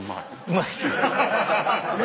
うまい？